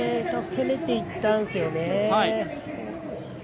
攻めていったんですよね。